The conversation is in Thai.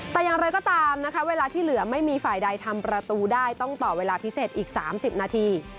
แต่อย่างไรก็ตามนะคะเวลาที่เหลือไม่มีฝ่ายใดทำประตูได้ต้องต่อเวลาพิเศษอีก๓๐นาที